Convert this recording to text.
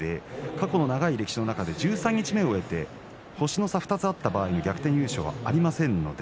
過去の長い歴史の中で十三日目を終えて星の差２つあった場合の逆転優勝はありません。